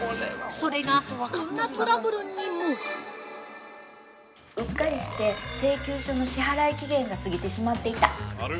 ◆これがこんなトラブルにも◆うっかりして請求書の支払い期限が過ぎてしまっていた。